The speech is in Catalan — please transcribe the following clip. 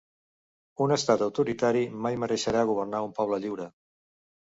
Un estat autoritari mai mereixerà governar un poble lliure.